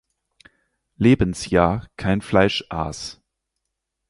Lebensjahr kein Fleisch aß.